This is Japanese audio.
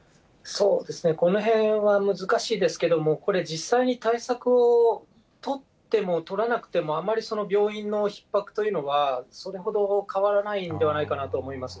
このへんは難しいですけども、これ、実際に対策を取っても取らなくても、あまり病院のひっ迫というのは、それほど変わらないんではないかなと思います。